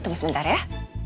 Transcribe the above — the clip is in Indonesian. tunggu sebentar ya